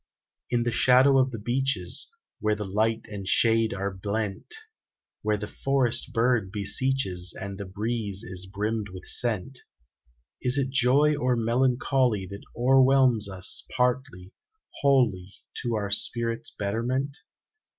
In the shadow of the beeches, Where the light and shade are blent; Where the forest bird beseeches, And the breeze is brimmed with scent, Is it joy or melancholy That o'erwhelms us partly, wholly, To our spirit's betterment?